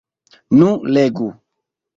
Nu, legu!